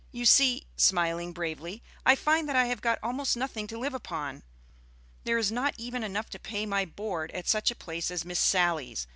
You see," smiling bravely, "I find that I have got almost nothing to live upon. There is not even enough to pay my board at such a place as Miss Sally's.